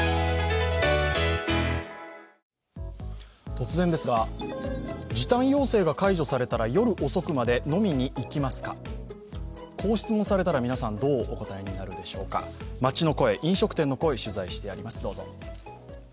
突然ですが、時短要請が解除されたら、夜遅くまで飲みに行きますか、こう質問されたら皆さん、どうお答えになるでしょうか。街の声、飲食店の声、取材してあります、どうぞ。